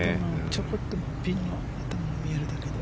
ちょこっとピンの頭が見えるだけで。